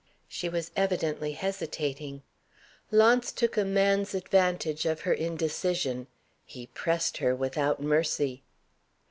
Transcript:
She was evidently hesitating. Launce took a man's advantage of her indecision. He pressed her without mercy.